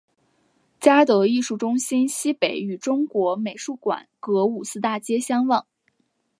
嘉德艺术中心西北与中国美术馆隔五四大街相望。